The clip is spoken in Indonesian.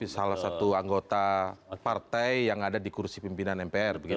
salah satu anggota partai yang ada di kursi pimpinan mpr